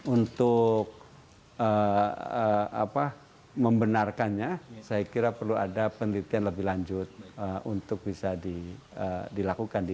untuk apa membenarkannya saya kira perlu ada penelitian lebih lanjut untuk bisa dilakukan di